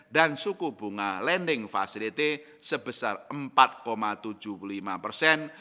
dan suku bunga lending facility sebesar empat tujuh puluh lima persen